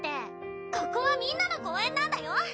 ここはみんなの公園なんだよ！